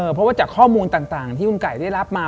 เพราะว่าจากข้อมูลต่างที่คุณไก่ได้รับมา